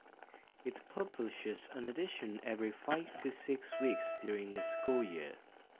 It publishes an edition every five to six weeks during the school year.